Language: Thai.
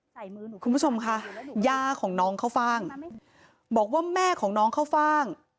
คุณผู้ชมค่ะย่าของน้องข้าวฟ่างบอกว่าแม่ของน้องข้าวฟ่าง